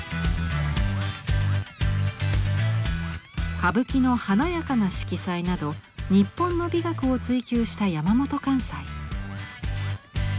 歌舞伎の華やかな色彩など日本の美学を追求した山本寛斎。